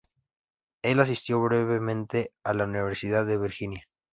Él asistió brevemente a la Universidad de Virginia.